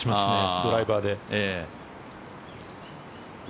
ドライバーで。